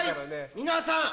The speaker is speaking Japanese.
皆さん！